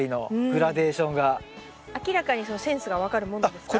明らかにそのセンスが分かるものなんですか？